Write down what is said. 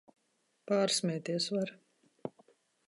Pārsmieties var!